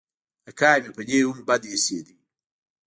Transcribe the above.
اکا مې په دې هم بد اېسېد.